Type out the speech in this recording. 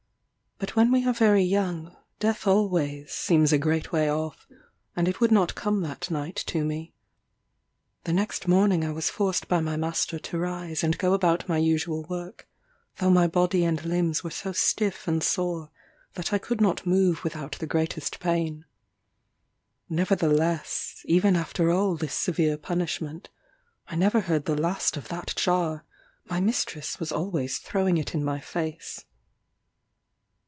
But when we are very young, death always seems a great way off, and it would not come that night to me. The next morning I was forced by my master to rise and go about my usual work, though my body and limbs were so stiff and sore, that I could not move without the greatest pain. Nevertheless, even after all this severe punishment, I never heard the last of that jar; my mistress was always throwing it in my face.